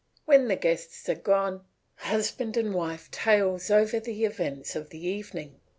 When the guests are gone, husband and wife tails over the events of the evening.